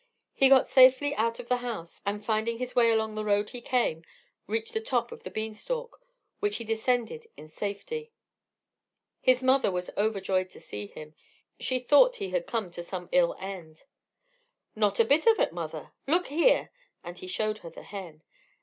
He got safely out of the house, and finding his way along the road he came, reached the top of the bean stalk, which he descended in safety. His mother was overjoyed to see him. She thought he had come to some ill end. "Not a bit of it, mother. Look here!" and he showed her the hen.